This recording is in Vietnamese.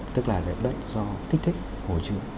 tức là động đất do tích thích hồ chứa